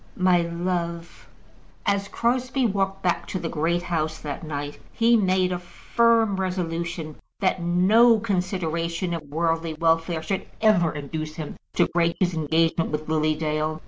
my love!" As Crosbie walked back to the Great House that night, he made a firm resolution that no consideration of worldly welfare should ever induce him to break his engagement with Lily Dale.